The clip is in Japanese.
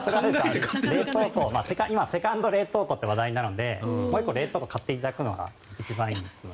今、セカンド冷凍庫って話題なのでもう１個冷凍庫を買っていただくのが一番いいかと。